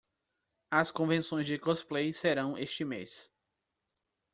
As convenções de cosplay serão este mês.